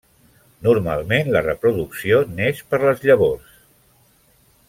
Normalment la reproducció n'és per les llavors.